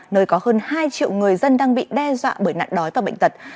nơi có hơn hai triệu người dân đang bị đe dọa bởi nạn đói và bệnh tật